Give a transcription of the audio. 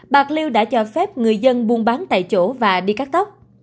bạc liêu đã cho phép người dân buôn bán tại chỗ và đi cắt tóc